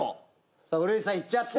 さあ古市さんいっちゃって。